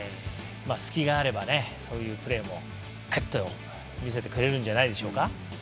隙があれば、そういうプレーも見せてくれるんじゃないでしょうか。